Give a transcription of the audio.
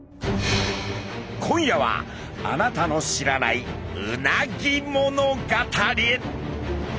今夜はあなたの知らないうなぎ物語。